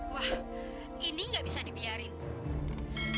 wah ini nggak bisa dibiarin